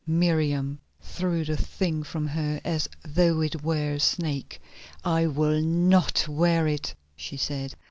Miriam threw the thing from her as though it were a snake. "I will not wear it," she said.